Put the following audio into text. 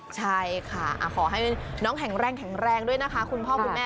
ใช่ค่ะขอให้น้องแข็งแรงแข็งแรงด้วยนะคะคุณพ่อคุณแม่